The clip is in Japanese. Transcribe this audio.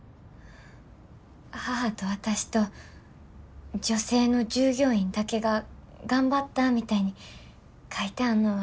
母と私と女性の従業員だけが頑張ったみたいに書いてあんのは。